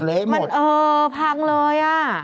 เละหมดมันเออพังเลยอะ